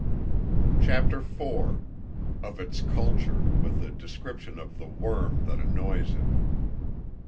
CHAPTER IV. _Of its Culture, with a Description of the Worm that annoys it.